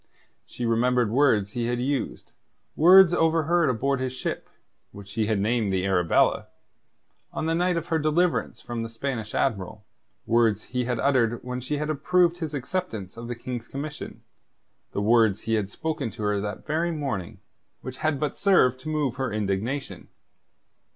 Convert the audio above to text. She remembered words he had used words overheard aboard his ship (which he had named the Arabella) on the night of her deliverance from the Spanish admiral; words he had uttered when she had approved his acceptance of the King's commission; the words he had spoken to her that very morning, which had but served to move her indignation.